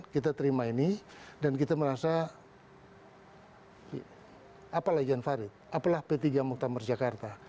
kita terima ini dan kita merasa apalagi jan farid apalah p tiga muktamar jakarta